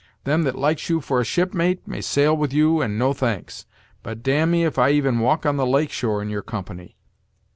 Them that likes you for a shipmate, may sail with you and no thanks; but dam'me if I even walk on the lake shore in your company.